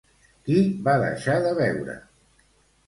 Qui va deixar de veure?